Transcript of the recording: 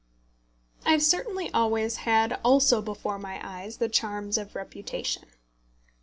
I have certainly always had also before my eyes the charms of reputation.